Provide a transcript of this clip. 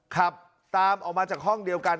ขับตามออกมาจากห้องเดียวกัน